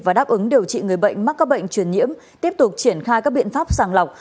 và đáp ứng điều trị người bệnh mắc các bệnh truyền nhiễm tiếp tục triển khai các biện pháp sàng lọc